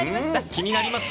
気になります？